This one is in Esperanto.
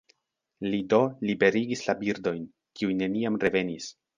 Li do liberigis la birdojn, kiuj neniam revenis.